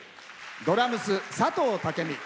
ドラムス、佐藤武美。